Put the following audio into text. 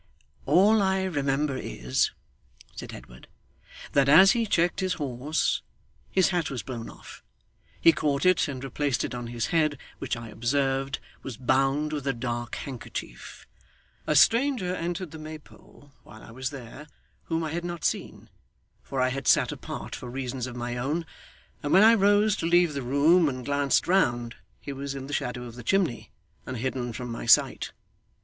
'All I remember is,' said Edward, 'that as he checked his horse his hat was blown off. He caught it, and replaced it on his head, which I observed was bound with a dark handkerchief. A stranger entered the Maypole while I was there, whom I had not seen for I had sat apart for reasons of my own and when I rose to leave the room and glanced round, he was in the shadow of the chimney and hidden from my sight.